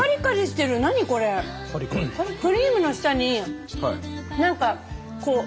クリームの下に何かこう。